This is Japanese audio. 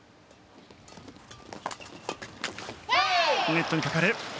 ネットにかかる。